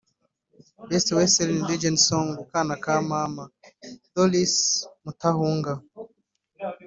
Best Western Region Song – Kaana Ka Maama – Dorrys Mutahunga